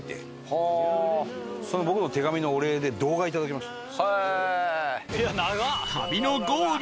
僕の手紙のお礼で動画いただきました。